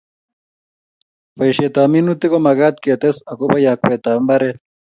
Boishet ab minutik ko magat ketes akobo yakwet ab mbaret